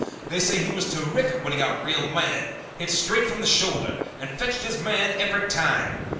They say he was terrific when he got real mad, hit straight from the shoulder, and fetched his man every time.